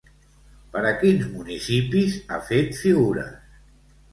Per a quins municipis ha fet figures?